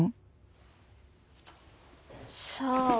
さあ。